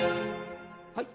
はい。